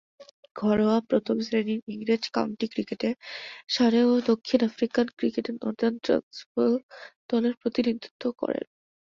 ঘরোয়া প্রথম-শ্রেণীর ইংরেজ কাউন্টি ক্রিকেটে সারে ও দক্ষিণ আফ্রিকান ক্রিকেটে নর্দার্ন ট্রান্সভাল দলের প্রতিনিধিত্ব করেন।